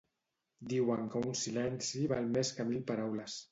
Diuen que un silenci val més que mil paraules.